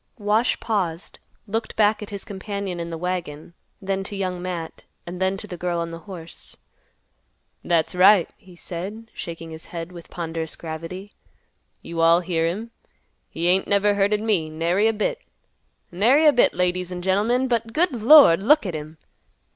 Wash paused, looked back at his companion in the wagon; then to Young Matt, and then to the girl on the horse. "That's right," he said, shaking his head with ponderous gravity. "You all hear him. He ain't never hurted me, nary a bit. Nary a bit, ladies an' gentlemen. But, good Lord! look at him!